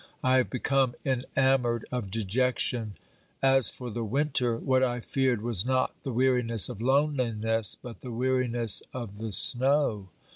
I have become enamoured of dejection ; as for the winter, what I feared was not the weariness of loneliness, but the weariness of the snow.